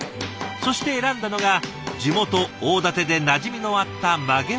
そして選んだのが地元大館でなじみのあった曲げわっぱでした。